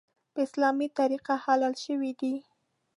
په اسلامي طریقه حلال شوی دی .